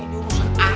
udah tenang aja